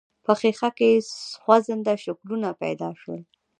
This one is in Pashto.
په ښيښه کې خوځنده شکلونه پيدا شول.